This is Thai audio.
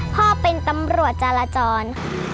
พ่อเป็นตำรวจจารจร